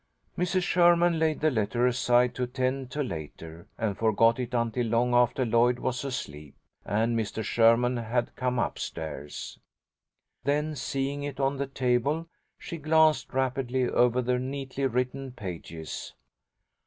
Mrs. Sherman laid the letter aside to attend to later, and forgot it until long after Lloyd was asleep, and Mr. Sherman had come up stairs. Then, seeing it on the table, she glanced rapidly over the neatly written pages.